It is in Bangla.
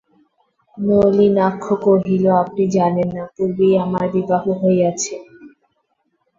নলিনাক্ষ কহিল, আপনি জানেন না, পূর্বেই আমার বিবাহ হইয়াছে।